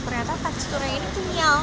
ternyata teksturnya ini kenyal